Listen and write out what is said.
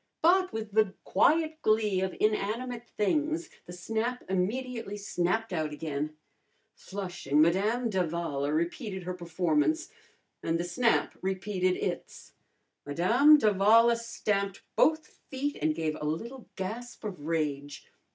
But with the quiet glee of inanimate things the snap immediately snapped out again. Flushing, Madame d'Avala repeated her performance, and the snap repeated its. Madame d'Avala stamped both feet and gave a little gasp of rage.